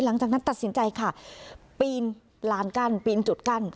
หลังจากนั้นตัดสินใจค่ะปีนลานกั้นปีนจุดกั้น